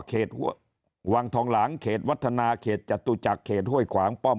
เขตวังทองหลางเขตวัฒนาเขตจตุจักรเขตห้วยขวางป้อม